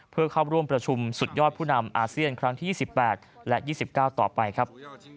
เพื่อเข้าร่วมประชุมสุดยอดผู้นำอาเซียนครั้งที่๒๘และ๒๙ต่อไปครับ